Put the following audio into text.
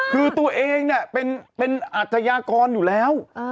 คือตัวเองเนี่ยเป็นอัธยากรอยู่แล้ว